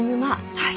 はい。